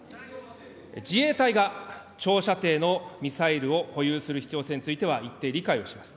自衛隊が長射程のミサイルを保有する必要性については、一定理解をします。